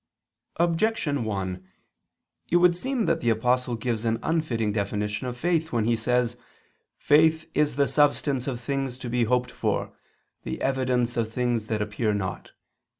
Objection 1: It would seem that the Apostle gives an unfitting definition of faith (Heb. 11:1) when he says: "Faith is the substance of things to be hoped for, the evidence of things that appear not."